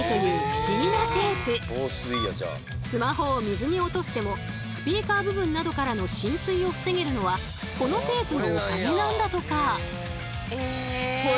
スマホを水に落としてもスピーカー部分などからの浸水を防げるのはこのテープのおかげなんだとか。